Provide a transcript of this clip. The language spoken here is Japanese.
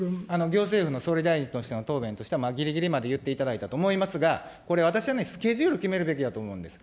行政府の総理大臣としての答弁としては、ぎりぎりまで言っていただいたと思いますが、これ、私はスケジュール決めるべきだと思うんです。